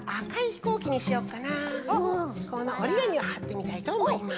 このおりがみをはってみたいとおもいます。